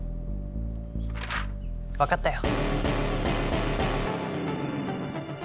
わかったよ。